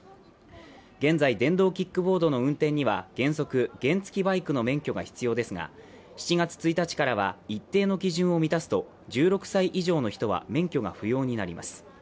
現在、電動キックボードの運転には原則、原付きバイクの免許が必要ですが７月１日からは一定の基準を満たすと１６歳以上の人は免許が不要になります。